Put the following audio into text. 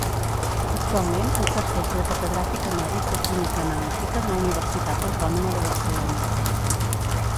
Actualment exerceix de catedràtic emèrit de química analítica de la Universitat Autònoma de Barcelona.